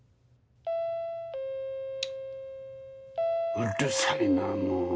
うるさいなもう。